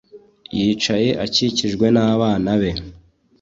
Yicaye akikijwe nabana be